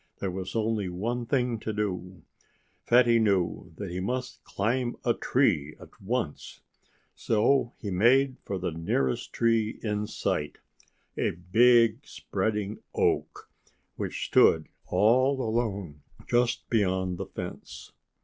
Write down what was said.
There was only one thing to do: Fatty knew that he must climb a tree at once. So he made for the nearest tree in sight a big, spreading oak, which stood all alone just beyond the fence.